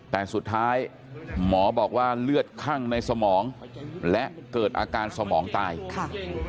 แต่สุดท้ายหมอบอกว่าเลือดคั่งในสมองและเกิดอาการสมองตายค่ะ